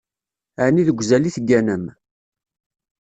Ɛni deg uzal i tegganem?